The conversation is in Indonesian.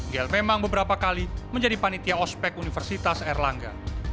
gl memang beberapa kali menjadi panitia ospec universitas erlangga